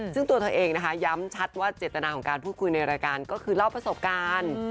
ซึ่งตัวเธอเองนะคะย้ำชัดว่าเจตนาของการพูดคุยในรายการก็คือเล่าประสบการณ์